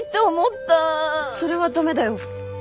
それは駄目だよ。